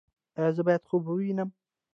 ایا زه باید خوب ووینم؟